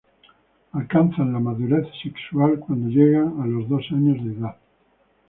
Alcanzan la madurez sexual cuando llegan a los dos años de edad.